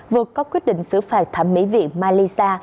vừa có quyết định xử phạt thẩm mỹ viện malisa